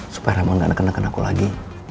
supaya raymond gak neken neken aku lagi